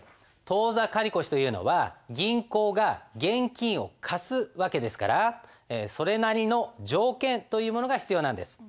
当座借越というのは銀行が現金を貸す訳ですからそれなりの条件というものが必要なんです。